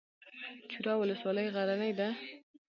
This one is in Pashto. چوره ولسوالۍ غرنۍ ده؟